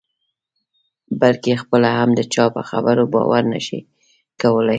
بلکې خپله هم د چا په خبرو باور نه شي کولای.